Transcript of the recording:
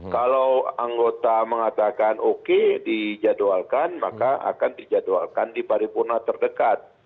kalau anggota mengatakan oke dijadwalkan maka akan dijadwalkan di paripurna terdekat